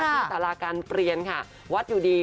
มีศีลตาราการเปลี่ยนวัดอยู่ดี